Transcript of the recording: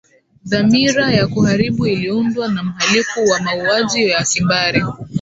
dhamira ya kuharibu iliundwa na mhalifu wa mauaji ya kimbari